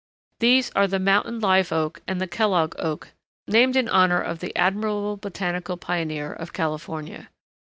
These are the Mountain Live Oak and the Kellogg Oak, named in honor of the admirable botanical pioneer of California.